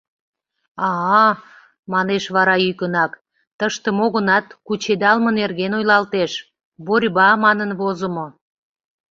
«А-а, — манеш вара йӱкынак, — тыште мо-гынат кучедалме нерген ойлалтеш, «борьба» манын возымо».